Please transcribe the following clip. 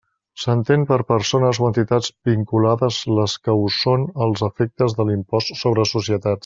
S'entén per persones o entitats vinculades les que ho són als efectes de l'impost sobre societats.